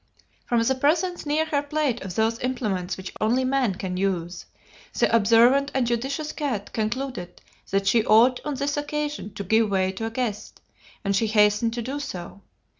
From the presence near her plate of those implements which only man can use, the observant and judicious cat concluded that she ought on this occasion to give way to a guest, and she hastened to do so.